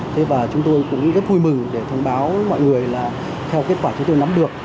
thế và chúng tôi cũng rất vui mừng để thông báo mọi người là theo kết quả chúng tôi nắm được